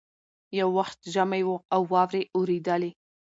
یو وخت ژمی وو او واوري اورېدلې